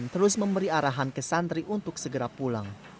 terus memberi arahan ke santri untuk segera pulang